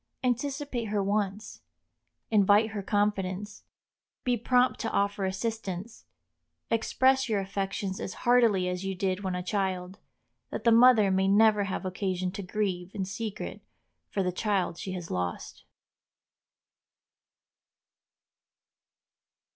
Anticipate her wants, invite her confidence, be prompt to offer assistance, express your affections as heartily as you did when a child, that the mother may never have occasion to grieve in secret for the child she has lost.